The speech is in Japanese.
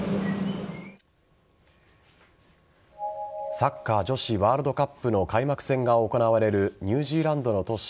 サッカー女子ワールドカップの開幕戦が行われるニュージーランドの都市